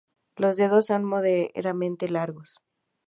Los dedos son moderadamente largos.